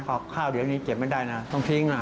เพราะข้าวเดี๋ยวนี้เก็บไม่ได้นะต้องทิ้งนะ